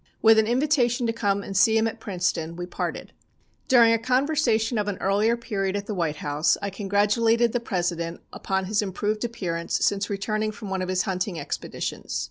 With an invitation to come and see him at Princeton, we parted. "During a conversation of an earlier period at the White House, I congratulated the President upon his improved appearance since returning from one of his hunting expeditions.